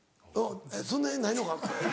そんなにないのか？